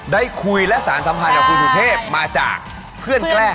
ได้คุยและสารสัมพันธ์กับคุณสุเทพมาจากเพื่อนแกล้